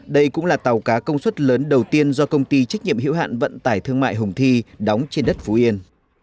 đây cũng là tàu cá công suất lớn đầu tiên do công ty trách nhiệm hiệu hạn vận tải thương mại hồng thi đóng trên đất phú yên